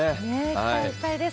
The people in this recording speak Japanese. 期待したいです。